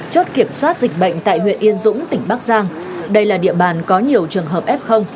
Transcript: chốt kiểm soát dịch bệnh tại huyện yên dũng tỉnh bắc giang đây là địa bàn có nhiều trường hợp f